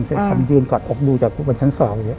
คำยืนกอดอกดูจากบนชั้น๒